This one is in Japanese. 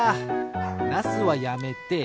ナスはやめて。